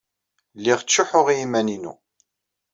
Lliɣ ttcuḥḥuɣ i yiman-inu.